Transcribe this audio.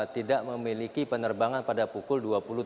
tidak memiliki penerbangan pada pukul dua puluh tiga